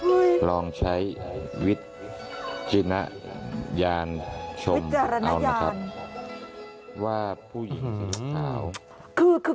อุ๊ยลองใช้วิจารณญาณชมเอานะครับว่าผู้หญิงสุดขาว